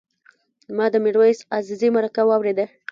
ما د میرویس عزیزي مرکه واورېده.